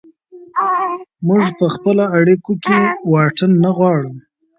موږ په خپلو اړیکو کې واټن نه غواړو.